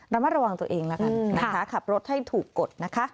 ระมัดระวังตัวเองแล้วกันนะคะขับรถให้ถูกกดนะคะ